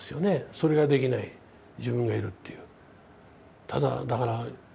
それができない自分がいるっていう。